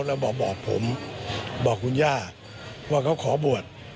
แล้วบอกผมบอกคุณย่าว่าเขาขอบวช